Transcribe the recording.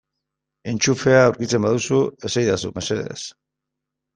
Entxufea aurkitzen baduzu esadazu mesedez.